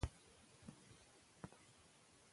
ماشومان د پوښتنو له لارې ژوره او ښه زده کړه کوي